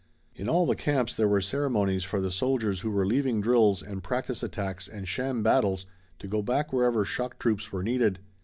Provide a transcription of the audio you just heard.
In all the camps there were ceremonies for the soldiers who were leaving drills and practice attacks and sham battles to go back wherever shock troops were needed.